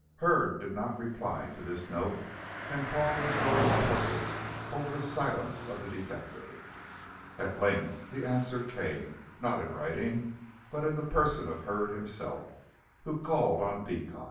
Hurd did not reply to this note, and Paul was growing puzzled over the silence of the detective. At length the answer came, not in writing, but in the person of Hurd himself, who called on Beecot.